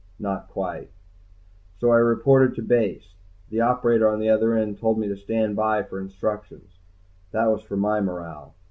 Not quite. So I reported to Base. The operator on the other end told me to stand by for instructions. That was for my morale.